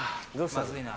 まずいな。